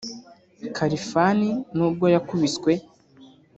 Kalifan n’ubwo yakubiswe